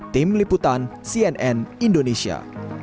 tim liputan cnn indonesia